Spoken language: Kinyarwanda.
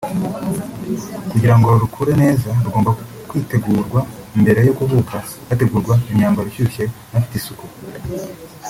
kugira ngo rukure neza rugomba kwitegurwa mbere yo kuvuka hategurwa imyambaro ishyushye inafite isuku